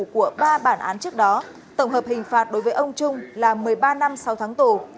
của ba bản án trước đó tổng hợp hình phạt đối với ông trung là một mươi ba năm sau tháng tù